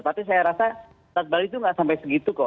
tapi saya rasa saat bali itu nggak sampai segitu kok